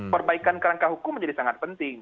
perbaikan kerangka hukum menjadi sangat penting